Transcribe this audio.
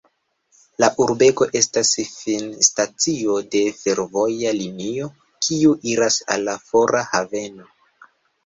La urbego estas finstacio de fervoja linio, kiu iras al la fora haveno.